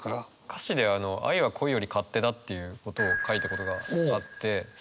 歌詞で「愛は恋より勝手だ」っていうことを書いたことがあって。